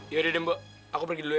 yaudah den mbok aku pergi dulu ya